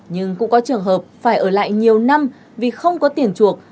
nhưng cũng có trường hợp phải ở lại nhiều năm vì không có tiền chuộc